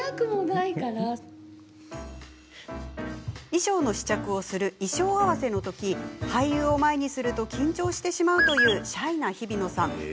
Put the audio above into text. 衣装の試着をする衣装合わせの時俳優を前にすると緊張してしまうというシャイな、ひびのさん。